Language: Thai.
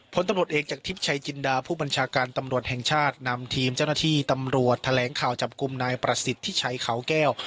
ผลตำรวจเอกจากทิพย์ชัยจินดาผู้บัญชาการตำรวจแห่งชาตินำทีมเจ้าหน้าที่ตำรวจแถลงข่าวจับกลุ่มนายประสิทธิชัยเขาแก้ว